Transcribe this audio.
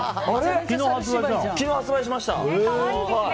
昨日発売しました。